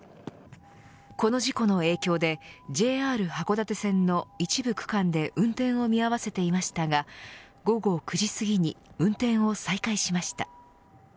この事故の影響でＪＲ函館線の一部区間で運転を見合わせていましたが午後９時すぎに運転を再開しました。